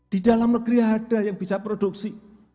di dalam negeri ada yang bisa produksi